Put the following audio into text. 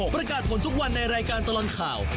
ประกาศผลทุกวันในรายการตลอดข่าว